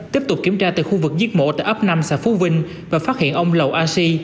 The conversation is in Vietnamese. tiếp tục kiểm tra từ khu vực giết mổ tại ấp năm xã phú vinh và phát hiện ông lầu a si